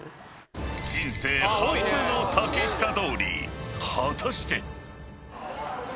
［人生初の竹下通り果たして！？］